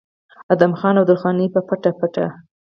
ادم خان او درخانۍ به پټ پټ